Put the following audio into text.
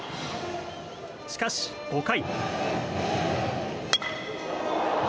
しかし、５回。